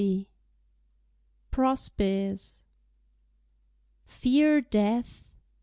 PROSPICE Fear death?